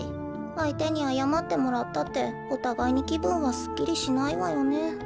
あいてにあやまってもらったっておたがいにきぶんはすっきりしないわよね。